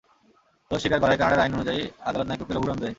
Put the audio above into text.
দোষ স্বীকার করায় কানাডার আইন অনুযায়ী আদালত নাইকোকে লঘু দণ্ড দেয়।